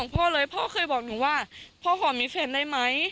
พ่อเลยพ่อเคยบอกหนูว่าพ่อขอมีแฟนได้ไหม